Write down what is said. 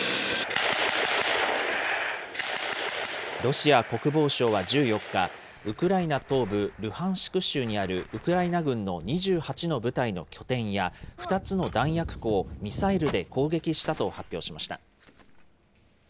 ロシア国防省は１４日、ウクライナ東部ルハンシク州にあるウクライナ軍の２８の部隊の拠点や、２つの弾薬庫をミサイルで攻撃したと発表しました。